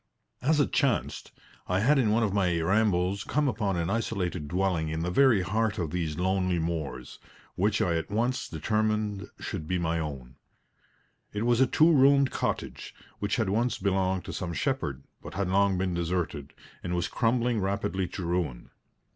As it chanced, I had in one of my rambles come upon an isolated dwelling in the very heart of these lonely moors, which I at once determined should be my own. It was a two roomed cottage, which had once belonged to some shepherd, but had long been deserted, and was crumbling rapidly to ruin.